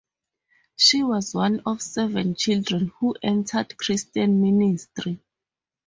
She was one of seven children who entered Christian ministry.